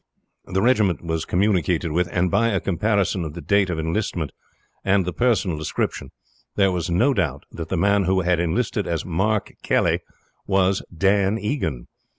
"The regiment was communicated with, and by a comparison of the date of enlistment and the personal description there was no doubt that the man who had enlisted as Mark Kelly was Dan Egan.